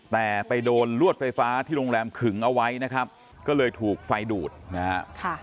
แต่ไปโดนลวดไฟฟ้าที่โรงแรมขึงเอาไว้นะครับก็เลยถูกไฟดูดนะฮะ